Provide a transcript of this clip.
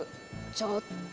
ちょっと。